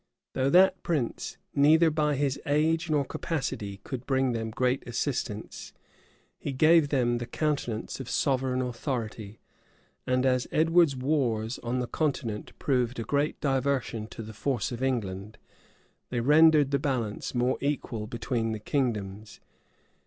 Though that prince, neither by his age nor capacity, could bring them great assistance, he gave them the countenance of sovereign authority; and as Edward's wars on the continent proved a great diversion to the force of England, they rendered the balance more equal between the kingdoms.